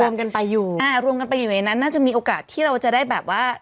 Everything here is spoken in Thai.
กันไปอยู่อ่ารวมกันไปอยู่ในนั้นน่าจะมีโอกาสที่เราจะได้แบบว่า